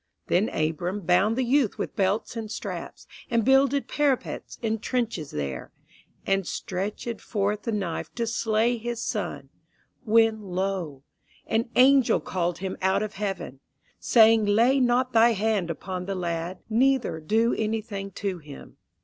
Then Abram bound the youth with belts and straps, And builded parapets and trenches there, And stretch\ed forth the knife to slay his son. When lo! an angel called him out of heaven, Saying, Lay not thy hand upon the lad, Neither do anything to him.